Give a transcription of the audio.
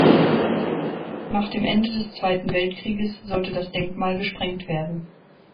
Nach dem Ende des Zweiten Weltkrieges sollte das Denkmal gesprengt werden.